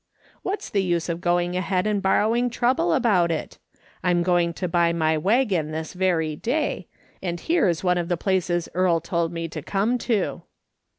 What's the use of going ahead and borrowing trouble about it? I'm going to buy ray waggon this very day, and here's one of the places Earle told me to come to."